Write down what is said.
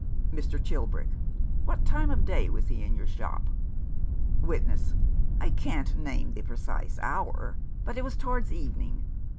Mr. Chilbrick: "What time of day was he in your shop ?" Witness :" I can't name the precise hour, but it was towards evening.